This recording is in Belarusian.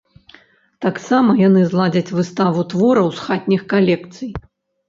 Таксама яны зладзяць выставу твораў з хатніх калекцый.